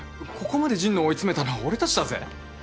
ここまで神野を追い詰めたのは俺たちだぜ。